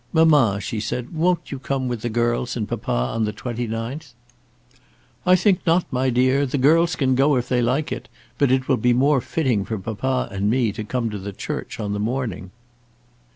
"Mamma," she said, "won't you come with the girls and papa on the 29th?" "I think not, my dear. The girls can go, if they like it. But it will be more fitting for papa and me to come to the church on the morning."